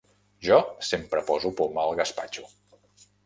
Jo sempre poso poma al gaspatxo.